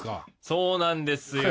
そうなんですよ。